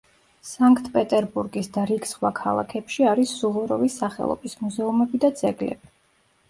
სანქტ-პეტერბურგის და რიგ სხვა ქალაქებში არის სუვოროვის სახელობის მუზეუმები და ძეგლები.